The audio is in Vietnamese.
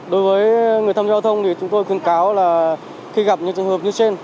đối với người tham gia giao thông thì chúng tôi khuyên cáo là khi gặp những trường hợp như trên